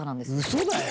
嘘だよ！